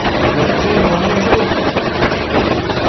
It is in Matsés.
Utsimbo niosh aid